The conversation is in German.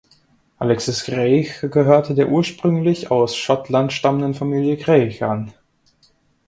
Alexis Greigh gehörte der ursprünglich aus Schottland stammenden Familie Greigh an.